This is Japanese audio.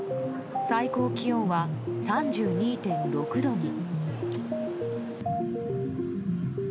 最高気温は３２．６度に。